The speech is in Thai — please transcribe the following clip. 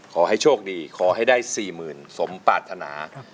ขอให้โชคดีขอให้ได้๔๐๐๐สมปรารถนา